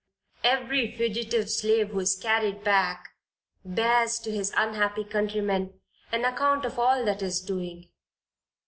Every fugitive slave who is carried back, bears to his unhappy countrymen an account of all that is doing.